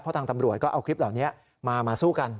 เพราะทางตำรวจก็เอาคลิปเหล่านี้มาสู้กัน